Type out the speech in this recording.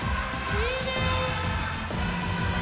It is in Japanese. いいね！